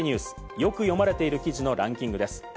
よく読まれている記事のランキングです。